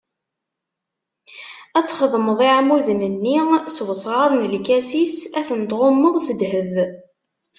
Ad txedmeḍ iɛmuden-nni s wesɣar n lkasis, ad ten-tɣummeḍ s ddheb.